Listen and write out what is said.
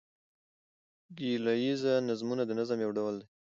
ګيله ييز نظمونه د نظم یو ډول دﺉ.